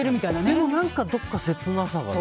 でも、どこか切なさがある。